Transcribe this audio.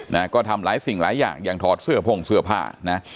นะก็ทำหลายสิ่งหลายอย่างอย่างถอดเสื้อพ่งเสื้อผ้านะ